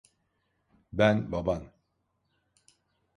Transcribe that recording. Ben baban.